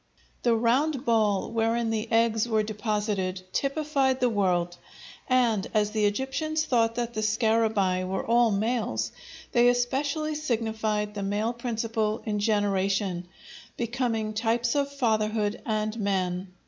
The round ball wherein the eggs were deposited typified the world, and, as the Egyptians thought that the scarabæi were all males, they especially signified the male principle in generation, becoming types of fatherhood and man.